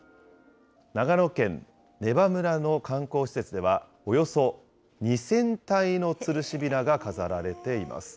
長野県根羽村の観光施設では、およそ２０００体のつるしびなが飾られています。